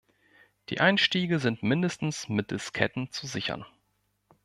Die Einstiege sind mindestens mittels Ketten zu sichern.